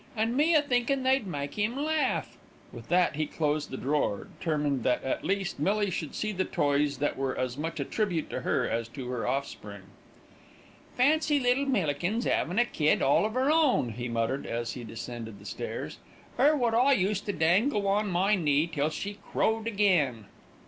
"And me a thinkin' they'd make 'im laugh;" with that he closed the drawer, determined that, at least, Millie should see the toys that were as much a tribute to her as to her offspring. "Fancy little Millikins 'avin' a kid all of 'er own," he muttered, as he descended the stairs, "'er wot I used to dangle on my knee till she crowed again.